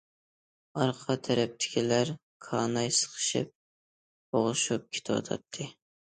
ئارقا تەرەپتىكىلەر كاناي سىقىشىپ، بوغۇشۇپ كېتىۋاتاتتى.